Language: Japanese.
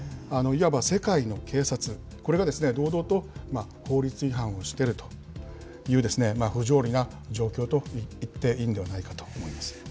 いわば世界の警察、これが堂々と法律違反をしているという、不条理な状況といっていいんではないかと思います。